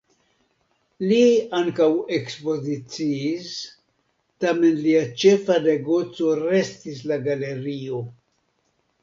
Li ankaŭ ekspoziciis, tamen lia ĉefa negoco restis la galerio.